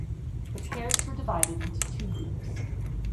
The pairs were divided into two groups.